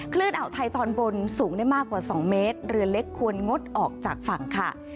อ่าวไทยตอนบนสูงได้มากกว่า๒เมตรเรือเล็กควรงดออกจากฝั่งค่ะ